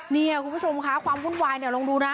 เนี่ยคุณผู้ชมค่ะความวุ่นวายเนี่ยลองดูนะ